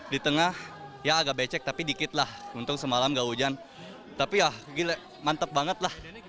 di tengah ya agak becek tapi dikit lah untung semalam gak hujan tapi ya gila mantep banget lah